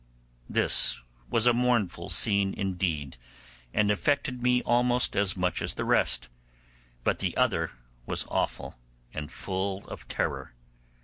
This was a mournful scene indeed, and affected me almost as much as the rest; but the other was awful and full of terror.